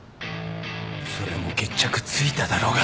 それもう決着ついただろうが。